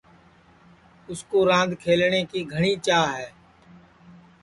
اُس کُو راند کھلٹؔے کی گھٹؔی چاھ ہے